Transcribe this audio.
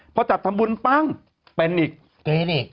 พอจัดทำบุญเปิ้ล